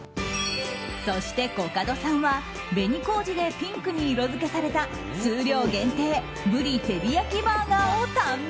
そしてコカドさんは紅こうじでピンクに色づけされた数量限定ぶり照り焼きバーガーを堪能。